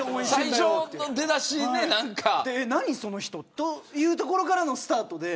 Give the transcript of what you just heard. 何その人、というところからのスタートで。